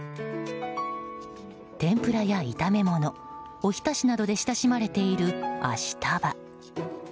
天ぷらや炒め物、おひたしなどで親しまれているアシタバ。